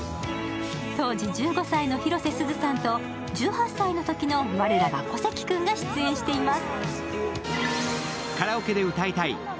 当時１５歳の広瀬すずさんと１８歳のときの我らが小関君が出演しています。